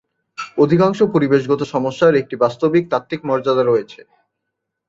অধিকাংশ পরিবেশগত সমস্যার একটি বাস্তবিক তাত্ত্বিক মর্যাদা রয়েছে।